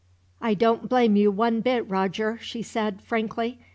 "I don't blame you one bit, Roger," she said, frankly.